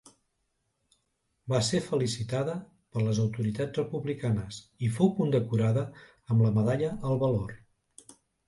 Va ser felicitada per les autoritats republicanes, i fou condecorada amb la medalla al valor.